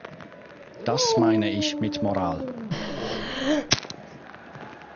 Das meine ich mit Moral.